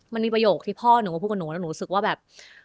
มันมีประโยคที่พ่อหนูก็พูดกับหนูแล้วหนูรู้สึกว่าแบบ